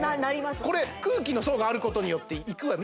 これ空気の層があることによっていくわよ